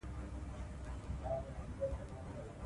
مور د ماشومانو د صحي خوراک لپاره پام کوي